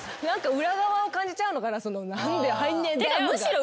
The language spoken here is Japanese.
裏側を感じちゃうのかな。